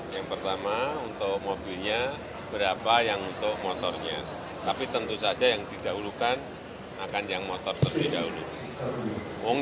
yang pertama untuk mobilnya berapa yang untuk motornya tapi tentu saja yang didahulukan akan yang motor terlebih dahulu